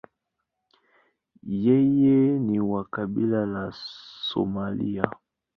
Yeye ni wa kabila la Somalia.